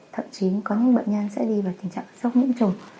thậm chí có những bệnh nhân sẽ đi vào tình trạng sốc nhiễm trùng